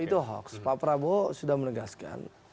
itu hoax pak prabowo sudah menegaskan